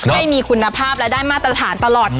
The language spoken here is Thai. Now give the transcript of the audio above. ให้มีคุณภาพและได้มาตรฐานตลอด